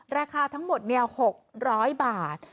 ราคาทั้งหมดเนี่ย๖๐๐บาท